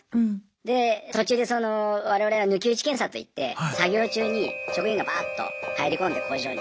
で途中で我々は抜き打ち検査といって作業中に職員がバーッと入り込んで工場に。